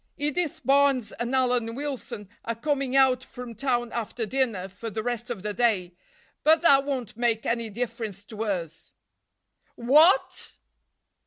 Edith Barnes and Alan Wilson are coming out from town after dinner for the rest of the day, but that won't make any difference to us." "_What?